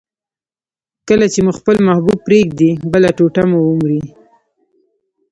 کله چي مو خپل محبوب پرېږدي، بله ټوټه مو ومري.